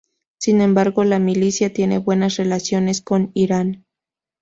Sin embargo, la milicia tiene buenas relaciones con Irán.